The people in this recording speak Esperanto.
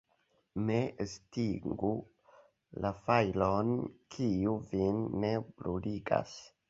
Ne estingu la fajron, kiu vin ne bruligas.